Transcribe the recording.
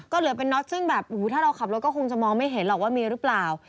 ก็เหลือเป็นน็อตซึ่งแบบถ้าเราขับรถก็คงจะมองไม่เห็นหรอกว่ามีหรือเปล่า